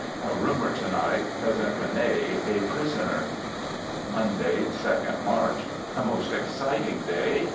A rumor tonight Cousin Rene a prisoner. Monday, 2nd March. A most exciting day.